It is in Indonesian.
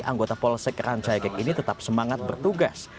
anggota polsek kerancai kek ini tetap semangat bertugas